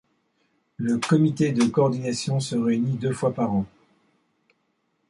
Le Comité de coordination se réunit deux fois par an.